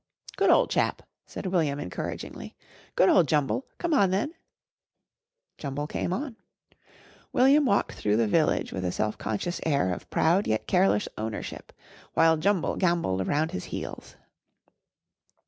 "Good ole chap!" said William encouragingly. "Good ole Jumble! Come on, then." Jumble came on. William walked through the village with a self conscious air of proud yet careless ownership, while Jumble gambolled round his heels.